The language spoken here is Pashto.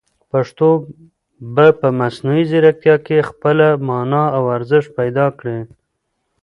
پښتو به په مصنوعي ځیرکتیا کې خپله مانا او ارزښت پیدا کړي.